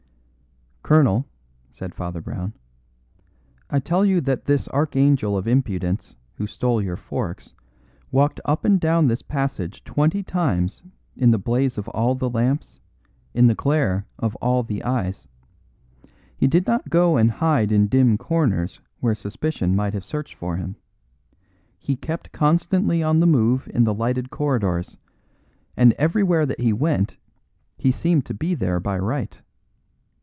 "Colonel," said Father Brown, "I tell you that this archangel of impudence who stole your forks walked up and down this passage twenty times in the blaze of all the lamps, in the glare of all the eyes. He did not go and hide in dim corners where suspicion might have searched for him. He kept constantly on the move in the lighted corridors, and everywhere that he went he seemed to be there by right.